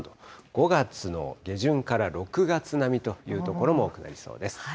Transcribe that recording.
５月の下旬から６月並みという所も多くなりそうです。